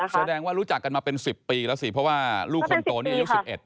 แสดงว่ารู้จักกันมาเป็น๑๐ปีแล้วสิเพราะว่าลูกคนโตนี่อายุ๑๑